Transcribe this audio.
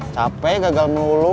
capek gagal melulu